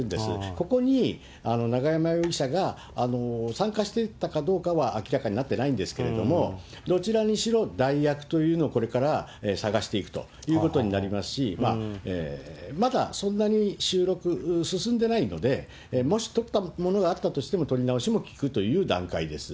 ここに永山容疑者が参加していたかどうかは明らかになってないんですけれども、どちらにしろ、代役というのをこれから探していくということになりますし、まだそんなに収録、進んでないので、もし撮ったものがあったとしても、撮り直しもきくという段階です。